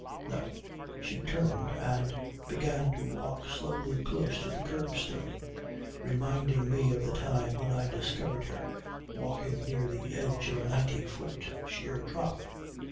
No. She turned and began to walk slowly close to the curbstone, reminding me of the time when I discovered her walking near the edge of a ninety foot sheer drop.